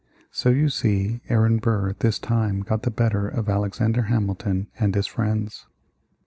So you see Aaron Burr this time got the better of Alexander Hamilton and his friends.